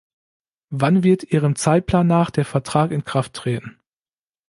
Wann wird Ihrem Zeitplan nach der Vertrag in Kraft treten?